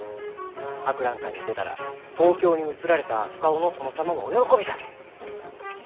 博覧会に出たら東京に移られた深尾の殿様もお喜びじゃろう！